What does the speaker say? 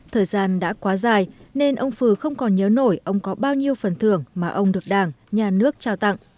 thời gian đã quá dài nên ông phừ không còn nhớ nổi ông có bao nhiêu phần thưởng mà ông được đảng nhà nước trao tặng